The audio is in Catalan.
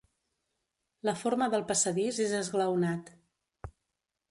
La forma del passadís és esglaonat.